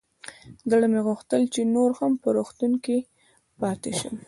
زړه مې غوښتل چې نور هم په روغتون کښې پاته سم.